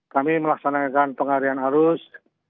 kami melaksanakan pengarian arus